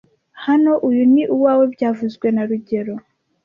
Hano, uyu ni uwawe byavuzwe na rugero